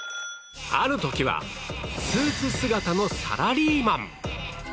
ある時はスーツ姿のサラリーマン。